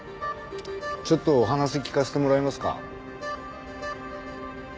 ちょっとお話聞かせてもらえますか？